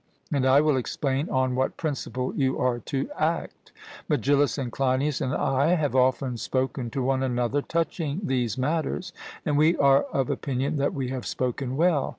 And I will explain on what principle you are to act. Megillus and Cleinias and I have often spoken to one another touching these matters, and we are of opinion that we have spoken well.